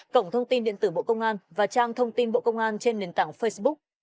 cổng thông tin điện tử bộ công an và trang thông tin bộ công an trên nền tảng facebook